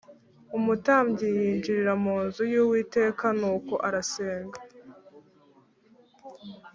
Umutabyi yinjirira mu nzu y ‘Uwiteka Nuko arasenga